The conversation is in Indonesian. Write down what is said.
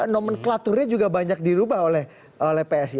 nomenklaturnya juga banyak dirubah oleh psi